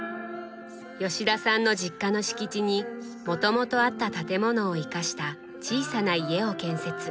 吉田さんの実家の敷地にもともとあった建物を生かした小さな家を建設。